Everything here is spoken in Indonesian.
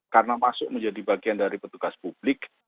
karena masuk menjadi bagian dari petugas publik